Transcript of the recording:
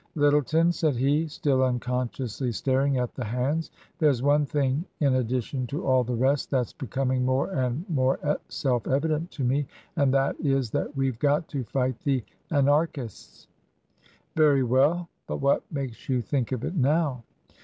" Lyttleton," said he, still unconsciously staring at the hands, " there's one thing in addition to all the rest that's becoming more and more self evident to me, and that is, that we've got to fight the Anarchists^ " Very well. But what makes you think of it now